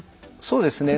そうですね。